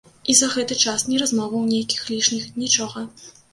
І за гэты час ні размоваў нейкіх лішніх, нічога.